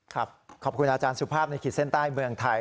ขอบคุณอาจารย์สุภาพในขีดเส้นใต้เมืองไทย